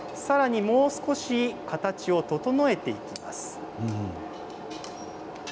さらに、もう少し形を整えていきます。